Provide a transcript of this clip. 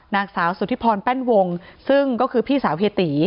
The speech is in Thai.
นางสาวสุธิพรแป้นวงซึ่งก็คือพี่สาวเฮียตี